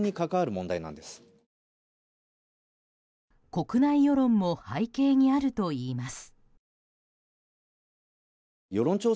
国内世論も背景にあるといいます。